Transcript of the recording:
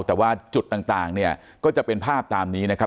แต่ว่าจุดต่างเนี่ยก็จะเป็นภาพตามนี้นะครับ